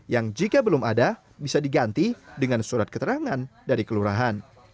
yang jika belum ada bisa diganti dengan surat keterangan dari kelurahan